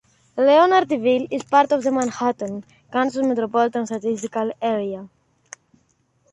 Leonardville is part of the Manhattan, Kansas Metropolitan Statistical Area.